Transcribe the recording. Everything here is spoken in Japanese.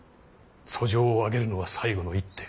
訴状を上げるのは最後の一手。